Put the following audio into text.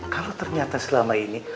kalau ternyata selama ini